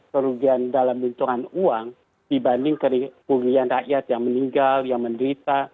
kerugian dalam bentukan uang dibanding kerugian rakyat yang meninggal yang menderita